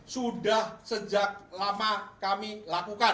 sudah sejak lama kami lakukan